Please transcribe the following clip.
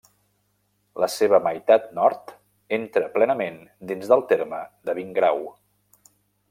La seva meitat nord entra plenament dins del terme de Vingrau.